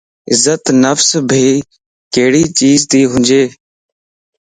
عزت نفس ڀي ڪھڙي چيز تي ھونج